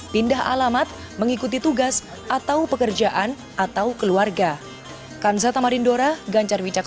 pindah alamat mengikuti tugas atau pekerjaan atau keluarga